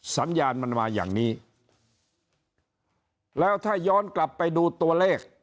สัญญาณมันมาอย่างนี้แล้วถ้าย้อนกลับไปดูตัวเลข